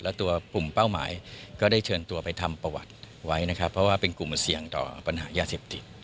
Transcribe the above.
และตัวกลุ่มเป้าหมายก็ได้เชิญตัวไปทำประวัติไว้นะครับเพราะว่าเป็นกลุ่มเสี่ยงต่อปัญหายาเสพติด